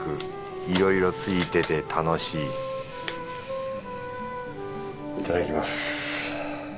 いろいろ付いてて楽しいいただきます。